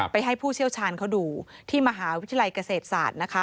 ให้ผู้เชี่ยวชาญเขาดูที่มหาวิทยาลัยเกษตรศาสตร์นะคะ